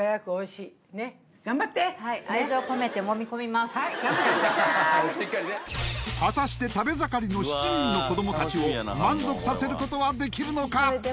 しっかりね果たして食べ盛りの７人の子どもたちを満足させることはできるのか？